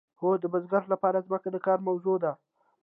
هو د بزګر لپاره ځمکه د کار موضوع ده.